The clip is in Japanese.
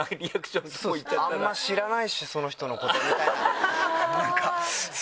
あんま知らないしその人のことみたいななんか。